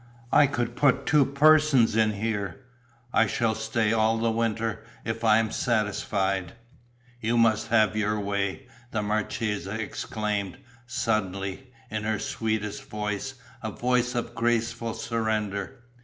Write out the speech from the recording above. "I could put two persons in here." "I shall stay all the winter, if I am satisfied." "You must have your way!" the marchesa exclaimed, suddenly, in her sweetest voice, a voice of graceful surrender.